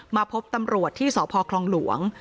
มาพบตำรวจที่สพคลองหลวง